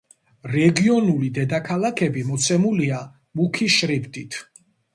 რეგიონული დედაქალაქები მოცემულია მუქი შრიფტით.